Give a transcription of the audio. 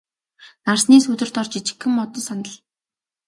Нарсны сүүдэр дор жижигхэн модон сандал.